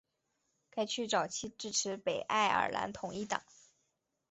该区早期支持北爱尔兰统一党。